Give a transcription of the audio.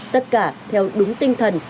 tất cả theo đúng tinh thần